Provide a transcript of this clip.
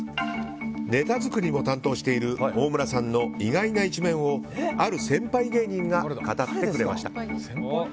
ネタ作りを担当している大村さんの意外な一面をある先輩芸人が語ってくれました。